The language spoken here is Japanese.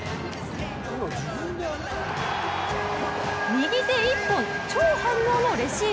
右手一本、超反応のレシーブ。